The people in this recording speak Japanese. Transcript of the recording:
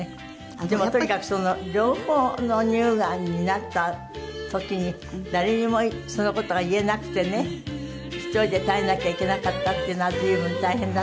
でもとにかく両方の乳がんになった時に誰にもその事が言えなくてね１人で耐えなきゃいけなかったっていうのは。